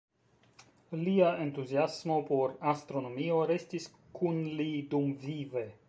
Lia entuziasmo por astronomio restis kun li dumvive.